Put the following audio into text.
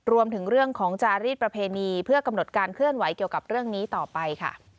รวมถึงเรื่องของจารีสประเพณีเพื่อกำหนดการเคลื่อนไหวเกี่ยวกับเรื่องนี้ต่อไปค่ะ